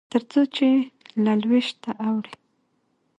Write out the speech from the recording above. تر څو چې له لوېشته اوړي.